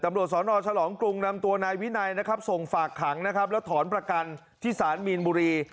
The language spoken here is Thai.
ตำรวจสอนอฉลองกรุงนำตัวนายวินัยส่งฝากขังและถอนประกันที่ศาลมีนบุรี